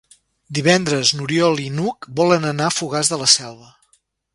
Divendres n'Oriol i n'Hug volen anar a Fogars de la Selva.